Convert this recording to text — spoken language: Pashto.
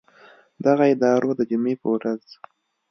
دغه ادارو د جمعې په ورځ